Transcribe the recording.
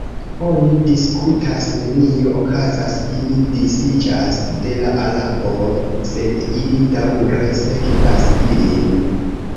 Oni diskutas, nenio okazas, ili disiĝas de la araboj, sed ili daŭre sekvas ilin.